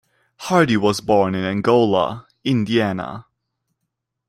Hardy was born in Angola, Indiana.